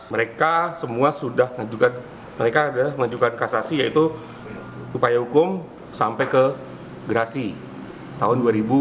mereka semua sudah menajukan kasasi yaitu upaya hukum sampai ke gerasi tahun dua ribu sembilan belas